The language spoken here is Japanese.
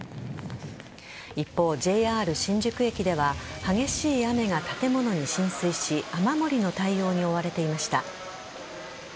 一方、ＪＲ新宿駅では激しい雨が、建物に浸水し雨漏りの対応に追われていました。